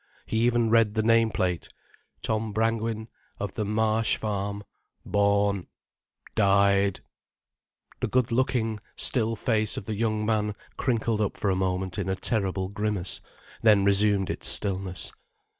He even read the name plate, "Tom Brangwen, of the Marsh Farm. Born ——. Died ——." The good looking, still face of the young man crinkled up for a moment in a terrible grimace, then resumed its stillness.